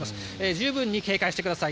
十分に警戒してください。